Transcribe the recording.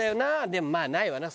でもまあないわな